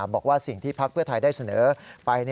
บอกว่าสิ่งที่พักเพื่อไทยได้เสนอไป